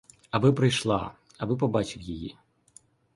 Аби прийшла, аби побачив її.